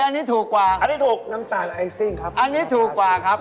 อันนี้ถูกกว่าอันนี้ถูกน้ำตาลไอซิ่งครับอันนี้ถูกกว่าครับ